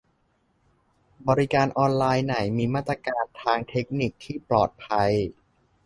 บริการออนไลน์ไหนมีมาตรการทางเทคนิคที่ปลอดภัย